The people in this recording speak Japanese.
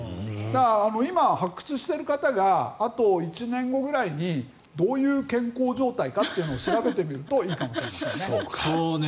今、発掘している方があと１年後ぐらいにどういう健康状態かというのを調べてみるといいかもしれないですね。